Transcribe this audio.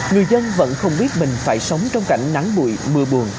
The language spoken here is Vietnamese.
người dân vẫn không biết mình phải sống trong cảnh nắng bụi mưa buồn